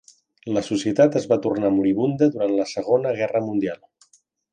La societat es va tornar moribunda durant la Segona Guerra Mundial.